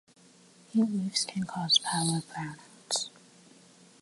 Heatwaves can cause power brownouts.